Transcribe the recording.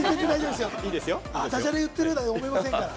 ダジャレ言ってるなんて思いませんから。